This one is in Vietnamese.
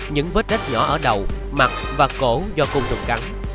những vết rác nhỏ ở đầu mặt và cổ do cung trục cắn